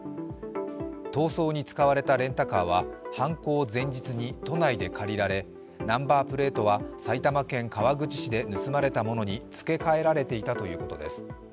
逃走に使われたレンタカーは犯行前日に都内で借りられ、ナンバープレートは埼玉県川口市で盗まれたものに付け替えられていたということです。